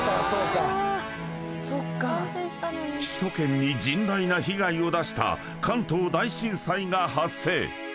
［首都圏に甚大な被害を出した関東大震災が発生］